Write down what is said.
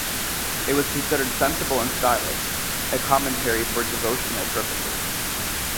It was considered sensible and stylish, a commentary for devotional purposes.